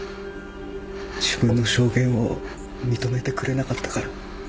自分の証言を認めてくれなかったから。